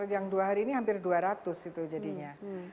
yang dua hari ini hampir dua ratus itu jadinya